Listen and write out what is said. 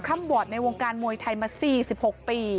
คล่ำบวชในวงการมวยไทยมาสี่สิบหกปี